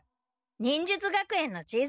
忍術学園の地図。